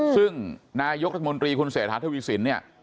ซึ่งนายกรัฐมนตรีคุณเสถาธวิสิน